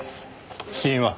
死因は？